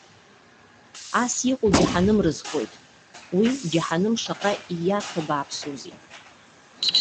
Ас иҟоу џьаҳаным рызхоит! Уи, џьаҳаным шаҟа ииарҭа бааԥсузеи!